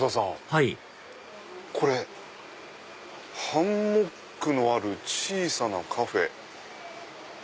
はいこれ「ハンモックのある小さなカフェ」。